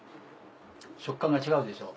食感が違うでしょ？